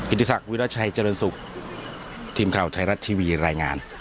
อิทธิศักดิ์วิรัชัยเจริญศุกร์ทีมข่าวไทยรัฐทีวีรายงาน